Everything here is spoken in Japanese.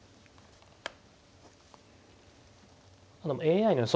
でもＡＩの予想